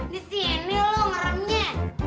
di sini lo ngeremnya